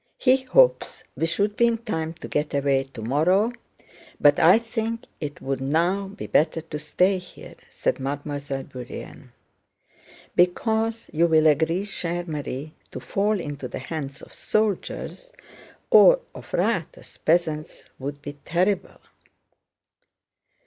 He hopes we should be in time to get away tomorrow, but I think it would now be better to stay here," said Mademoiselle Bourienne. "Because, you will agree, chère Marie, to fall into the hands of the soldiers or of riotous peasants would be terrible."